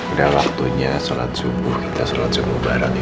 udah waktunya sholat subuh kita sholat subuh bareng yuk